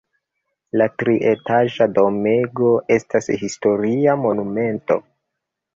La trietaĝa domego estas historia monumento.